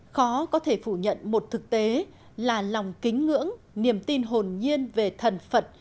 khó có thể phủ nhận một thực tế là lòng kính ngưỡng niềm tin hồn nhiên về thần phật